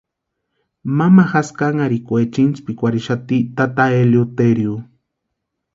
Mamajasï kánharhikwechani intsïpikwarhixati tata Eleuterio.